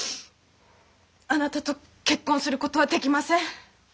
あなたと結婚することはできません。